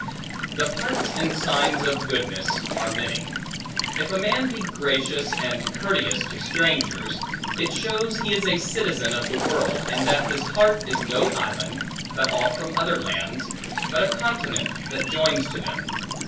The parts and signs of goodness, are many. If a man be gracious and courteous to strangers, it shows he is a citizen of the world, and that his heart is no island, cut off from other lands, but a continent, that joins to them.